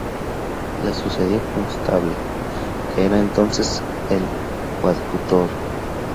Le sucedió Constable, que era entonces el coadjutor.